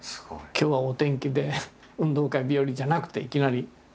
「今日はお天気で運動会日和」じゃなくていきなり。